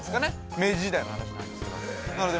明治時代の話なんですけれども。